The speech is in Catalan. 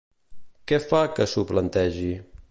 Què fa que s'ho plantegi?